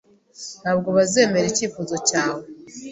Ntabwo bazemera icyifuzo cyawe.